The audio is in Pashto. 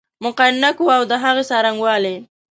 مقننه قوه اود هغې څرنګوالی